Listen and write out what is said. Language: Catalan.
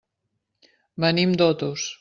Venim d'Otos.